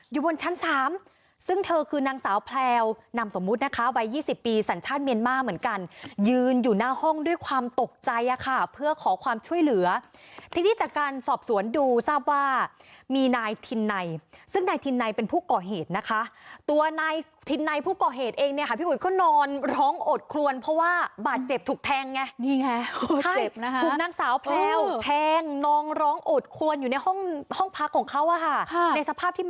อยู่บนชั้นสามซึ่งเธอคือนางสาวแพรวนำสมมุตินะคะวัยยี่สิบปีสัญชาติเมียนมากเหมือนกันยืนอยู่หน้าห้องด้วยความตกใจอะค่ะเพื่อขอความช่วยเหลือที่ที่จากการสอบสวนดูทราบว่ามีนายทินไนซึ่งนายทินไนเป็นผู้ก่อเหตุนะคะตัวนายทินไนผู้ก่อเหตุเองเนี่ยค่ะพี่อุ๋ยก็นอนร้องอดควรเพราะว่าบาดเจ็บ